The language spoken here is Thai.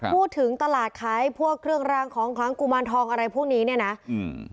พูดถึงตลาดขายพวกเครื่องรางของคลังกุมารทองอะไรพวกนี้เนี้ยนะอืม